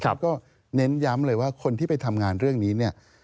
ก็เน้นย้ำเลยว่าคนที่ไปทำงานเรื่องนี้เนี่ย